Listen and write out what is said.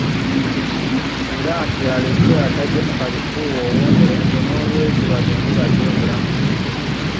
Era nti alese ataddemu kalifuuwa ow'omulembe n'olwekyo bagende balye obulamu.